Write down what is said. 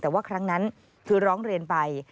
แต่ว่าครั้งนั้นคือร้องเรียนไป